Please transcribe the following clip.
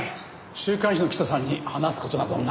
週刊誌の記者さんに話す事などは何もない。